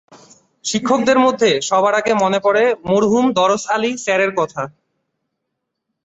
শিক্ষকদের মধ্যে সবার আগে মনে পরে মরহুম দরছ আলি স্যারের কথা।